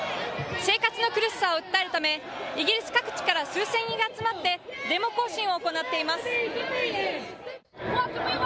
生活の苦しさを訴えるためイギリス各地から数千人が集まってデモ行進を行っています。